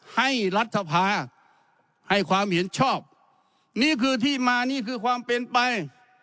ให้รัฐภาให้ความเห็นชอบนี่คือที่มานี่คือความเป็นไป